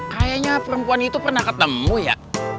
kayaknya perempuan itu pernah ketemu ya